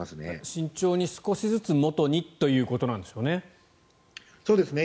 慎重に少しずつ元にということなんでしょうね。